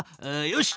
よし！